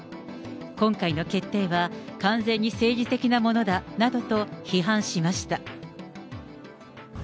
今回の決定は、完全に政治的なものだなどと、批判しました。